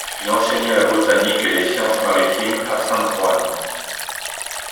Il enseigna la botanique et les sciences maritimes à San Juan.